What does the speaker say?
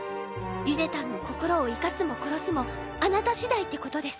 リゼたんの心を生かすも殺すもあなたしだいってことです。